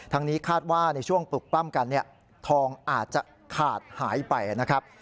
นี้คาดว่าในช่วงปลุกปล้ำกันทองอาจจะขาดหายไปนะครับ